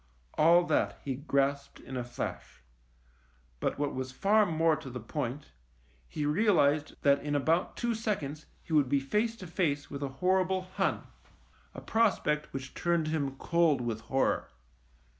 All that he grasped in a flash ; but what was far more to the point, he realised that in about two seconds he would be face to face with a hor rible Hun, a prospect which turned him cold with horror.